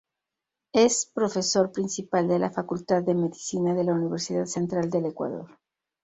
Es profesor principal de la Facultad de Medicina de la Universidad Central del Ecuador.